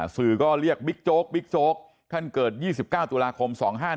สื่อก็เรียกบิ๊กโจ๊กบิ๊กโจ๊กท่านเกิด๒๙ตุลาคม๒๕๖